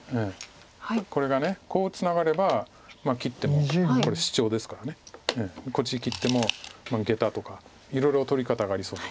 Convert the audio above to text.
これがこうツナがれば切ってもこれシチョウですからこっち切ってもゲタとかいろいろ取り方がありそう。